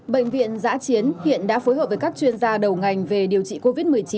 bệnh viện giã chiến hiện đã phối hợp với các chuyên gia đầu ngành về điều trị covid một mươi chín